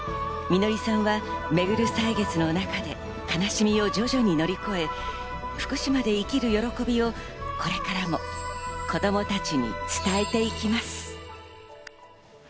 季さんは、めぐる歳月の中で悲しみを徐々に乗り越え、福島で生きる喜びをこれからも子供たちに伝えていきます。